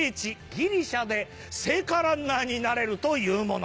ギリシャで聖火ランナーになれるというもの。